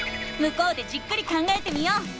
向こうでじっくり考えてみよう。